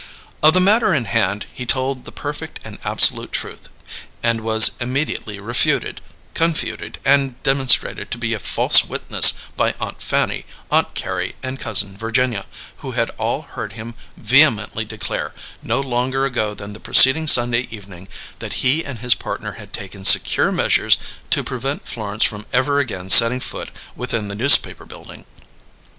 Of the matter in hand he told the perfect and absolute truth and was immediately refuted, confuted, and demonstrated to be a false witness by Aunt Fanny, Aunt Carrie, and Cousin Virginia, who had all heard him vehemently declare, no longer ago than the preceding Sunday evening, that he and his partner had taken secure measures to prevent Florence from ever again setting foot within the Newspaper Building.